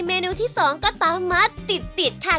เมนูที่สองก็ตามมาติดค่ะ